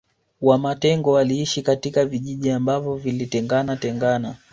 Wamatengo waliishi katika vijiji ambavyo vilitengana tengana